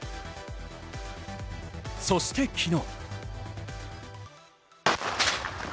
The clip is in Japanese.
そして昨日。